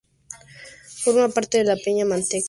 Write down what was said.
Forma parte del Peña Manteca-Genestaza.